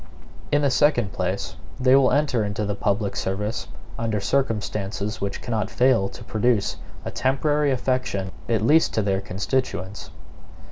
In the second place, they will enter into the public service under circumstances which cannot fail to produce a temporary affection at least to their constituents.